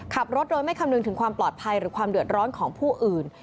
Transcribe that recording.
ขับรถโดยไม่คำนึงถึงความปลอดภัยหรือความเดือดร้อนของผู้อื่น